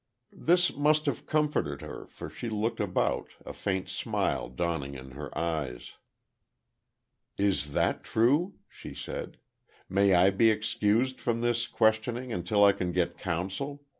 This must have comforted her, for she looked about, a faint smile dawning in her eyes. "Is that true?" she said, "may I be excused from this questioning until I can get counsel?